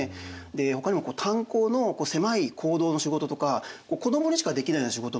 ほかにも炭鉱の狭い坑道の仕事とか子どもにしかできないような仕事もあってですね